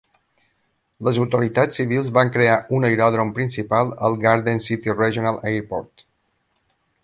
Les autoritats civils van crear un aeròdrom principal al Garden City Regional Airport.